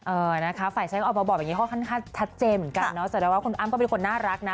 เออนะคะฝ่ายฉันออกมาบอกก็ค่อนข้างชัดเจนเหมือนกันอาจจะได้ว่าคุณอ้ำเป็นน่ารักนะ